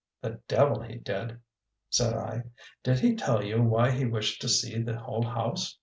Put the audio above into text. "The devil he did!" said I. "Did he tell you why he wished to see the whole house?